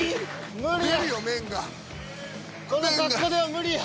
無理や。